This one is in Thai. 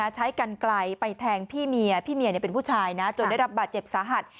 ใช้กันไกลไปแทงพี่เมียพี่เมียเป็นผู้ชายนะจนได้รับบาดเจ็บสาหัส